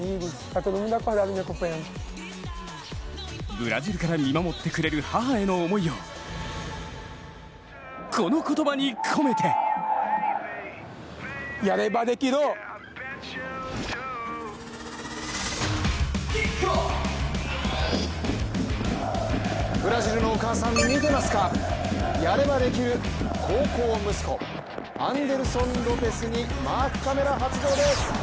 ブラジルから見守ってくれる母への思いをこの言葉に込めてブラジルのお母さん見てますか、やればできる孝行息子アンデルソン・ロペスにマークカメラ発動です！